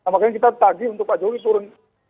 makanya kita tagih untuk pak jokowi turun